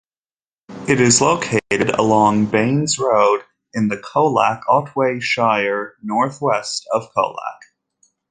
It is located along Baynes Road, in the Colac Otway Shire, north-west of Colac.